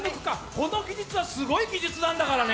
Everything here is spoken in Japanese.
この技術はすごい技術なんだからね！